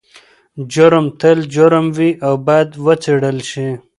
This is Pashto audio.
جرم تل جرم وي او باید وڅیړل شي.